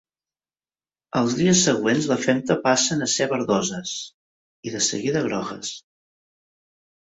Els dies següents la femta passen a ser verdoses i, de seguida, grogues.